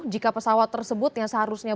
jika pesawat tersebut yang seharusnya